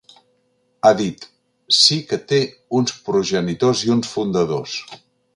Ha dit: Sí que té uns progenitors i uns fundadors.